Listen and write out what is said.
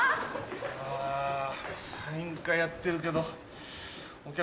あサイン会やってるけど。